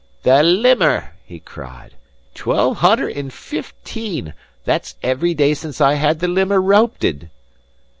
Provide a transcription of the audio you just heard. "The limmer!" he cried. "Twelve hunner and fifteen that's every day since I had the limmer rowpit!